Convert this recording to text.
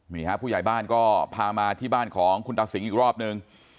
ผู้ใหญ่บ้านก็พามาที่บ้านของคุณตาสิงอีกรอบนึง